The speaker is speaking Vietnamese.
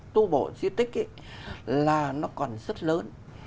tu bổ di tích ấy là nó còn rất lớn